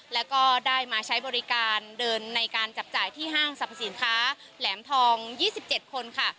แล้วก็ได้มาใช้บริการเดินในการจับจ่ายที่ห้างสรรพสินค้าแหลมทอง๒๗คนค่ะ